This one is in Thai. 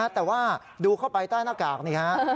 แต่ว่าดูเข้าไปใต้หน้ากากนี่ฮะ